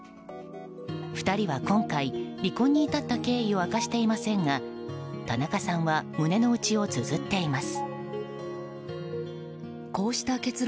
２人は今回、離婚に至った経緯を明かしていませんが田中さんは胸の内をつづっています。